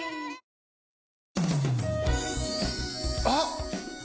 あっ！